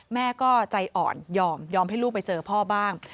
แม่ก็ใจอ่อนยอมยอมให้ลูกไปเจอพ่อบ้าง